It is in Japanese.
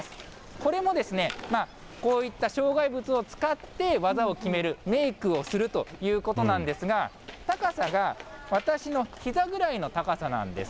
これもこういった障害物を使って技を決める、メークをするということなんですが、高さが私のひざぐらいの高さなんです。